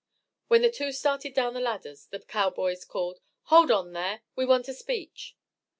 When the two started down the ladders the cowboys called: "Hold on there, we want a speech."